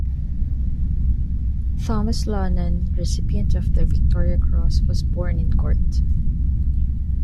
Thomas Laughnan, recipient of the Victoria Cross, was born in Gort.